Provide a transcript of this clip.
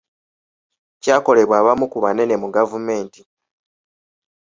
Kyakolebwa abamu ku banene mu gavumenti.